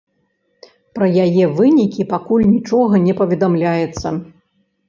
Пра яе вынікі пакуль нічога не паведамляецца.